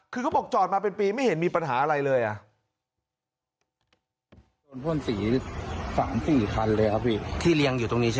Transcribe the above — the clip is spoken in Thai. คือเขาบอกจอดมาเป็นปีไม่เห็นมีปัญหาอะไรเลยอ่ะ